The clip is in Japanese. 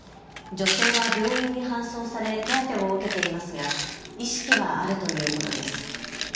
女性は病院に搬送され手当てを受けていますが意識はあるということです。